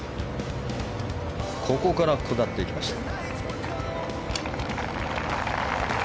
ここから下っていきました。